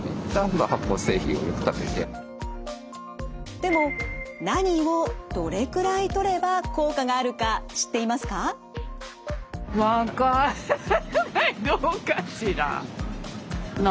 でも何をどれくらいとれば効果があるか知っていますか？